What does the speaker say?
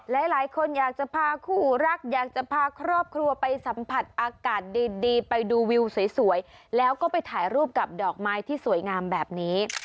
หลายคนอยากจะพาคู่รักอยากจะพาครอบครัวไปสัมผัสอากาศดีไปดูวิวสวยแล้วก็ไปถ่ายรูปกับดอกไม้ที่สวยงามแบบนี้